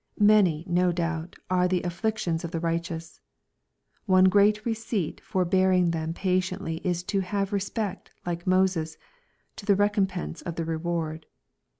Many, no doubt, are "the afflictions of the righteous." One great receipt for bearing them pa tiently is to " have respect, like Moses, to the recompense of the reward."